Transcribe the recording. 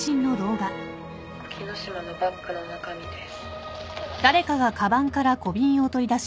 沖野島のバッグの中身です。